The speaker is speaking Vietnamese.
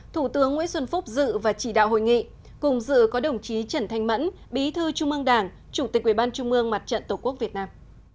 thủ tướng nguyễn xuân phúc dự và chỉ đạo hội nghị cùng dự có đồng chí trần thanh mẫn bí thư trung ương đảng chủ tịch ubnd mặt trận tổ quốc việt nam